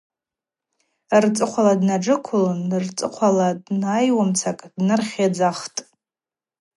Рцӏыхъвала днаджыквылын, рцӏыхъвала днайуамца днархьыдзатӏ.